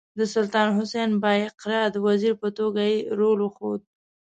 د سلطان حسین بایقرا د وزیر په توګه یې رول وښود.